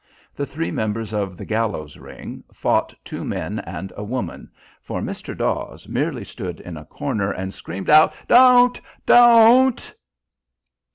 The three members of "The Gallows Ring" fought two men and a woman, for Mr. Dawes merely stood in a corner and screamed out: "Don't! Don't!"